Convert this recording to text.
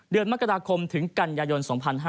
เดือนมกราคมถึงกันยายน๒๕๕๙